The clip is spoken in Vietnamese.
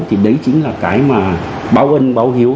thì đấy chính là cái mà báo ân báo hiếu